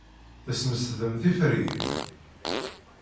Tesmesdem tiferyin.